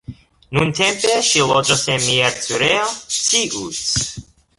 Nuntempe ŝi loĝas en Miercurea Ciuc.